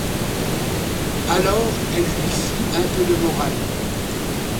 Alors, elle lui fit un peu de morale.